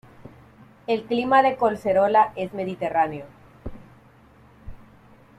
El clima de Collserola es mediterráneo.